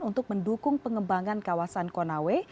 untuk mendukung pengembangan kawasan konawe